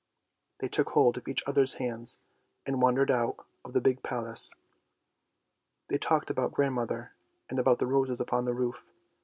They took hold of each other's hands and wandered out of the big Palace. They talked about grandmother, and about the roses upon the roof.